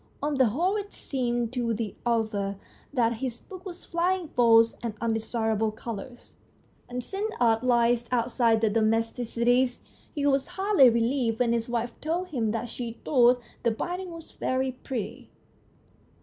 On the whole it seemed to the author that his book was flying false and undesirable colours, and since art lies outside the domesticities, he was hardly re lieved when his wife told him that she thought the binding was very pretty.